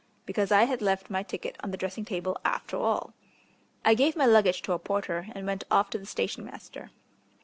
Because I had left my ticket on the dressing table after all. I gave my luggage to a porter and went off to the station master.